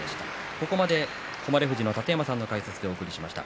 ここまで誉富士の楯山さんの解説でした。